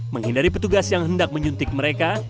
menghindari petugas yang hendak menyuntik mereka